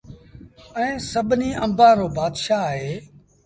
ائيٚݩ سڀنيٚ آݩبآݩ رو بآتشآه اهي